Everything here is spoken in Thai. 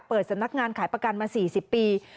สำนักงานขายประกันมา๔๐ปี